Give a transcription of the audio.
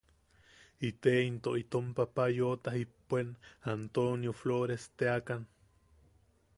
Iteinto itom papa yoʼota jipuen Antonio Floresteakan.